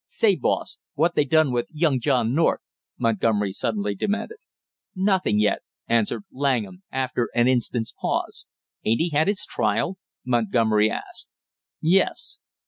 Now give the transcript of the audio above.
"Say, boss, what they done with young John North?" Montgomery suddenly demanded. "Nothing yet," answered Langham after an instant's pause. "Ain't he had his trial?" Montgomery asked. "Yes."